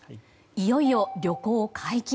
いよいよ旅行解禁。